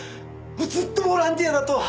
ずっとボランティアだと！